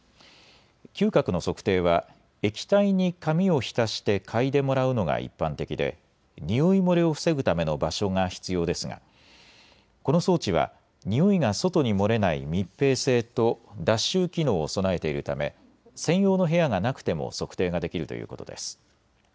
嗅覚の測定は液体に紙を浸して嗅いでもらうのが一般的でにおい漏れを防ぐための場所が必要ですがこの装置は、においが外に漏れない密閉性と脱臭機能を備えているため専用の部屋がなくても測定ができるということです。